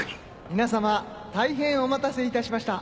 皆様大変お待たせいたしました。